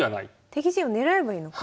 敵陣を狙えばいいのか。